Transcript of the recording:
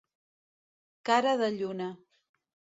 Cara de lluna.